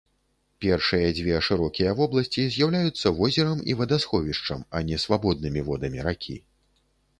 Першыя дзве шырокія вобласці з'яўляюцца возерам і вадасховішчам, а не свабоднымі водамі ракі.